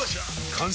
完成！